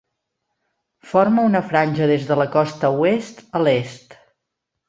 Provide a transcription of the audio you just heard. Forma una franja des de la costa oest a l'est.